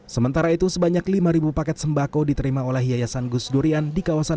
sementara itu sebanyak lima paket sembako diterima oleh yayasan gus durian di kawasan